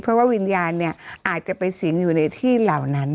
เพราะว่าวิญญาณเนี่ยอาจจะไปสิงอยู่ในที่เหล่านั้น